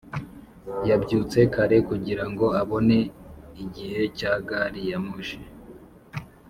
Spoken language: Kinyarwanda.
yabyutse kare kugirango abone igihe cya gari ya moshi